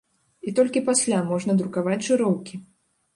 І толькі пасля можна друкаваць жыроўкі.